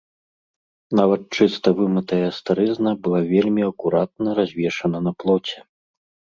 Нават чыста вымытая старызна была вельмі акуратна развешана на плоце.